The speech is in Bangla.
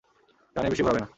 ডানে বেশি ঘোরাবে না।